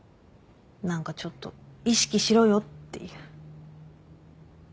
何かちょっと意識しろよっていう。